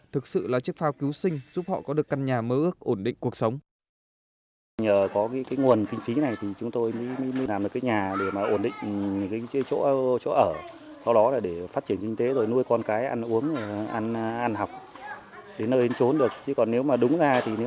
thực sự là chiếc phao cứu sinh giúp họ có được căn nhà mơ ước ổn định cuộc sống